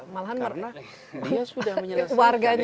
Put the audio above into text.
malahan karena dia sudah menyelesaikan kesalahannya